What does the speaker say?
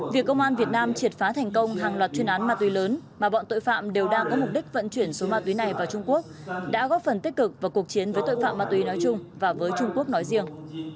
việc công an việt nam triệt phá thành công hàng loạt chuyên án ma túy lớn mà bọn tội phạm đều đang có mục đích vận chuyển số ma túy này vào trung quốc đã góp phần tích cực vào cuộc chiến với tội phạm ma túy nói chung và với trung quốc nói riêng